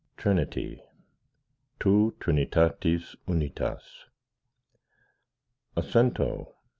Trinity TU TRINITATIS UNITAS A cento.